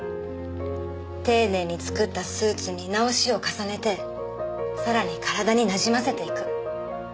丁寧に作ったスーツに直しを重ねてさらに体になじませていく。